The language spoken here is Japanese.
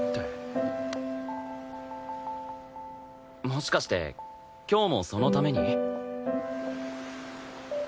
もしかして今日もそのために？